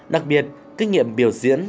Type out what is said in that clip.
đặc biệt kinh nghiệm biểu diễn